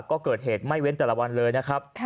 ก็เกิดเหตุไม่เว้นแต่ละวันเลยนะครับ